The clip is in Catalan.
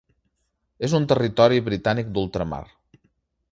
És un Territori Britànic d'Ultramar.